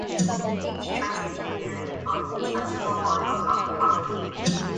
Each church was repaired and both constructed memorials on their property.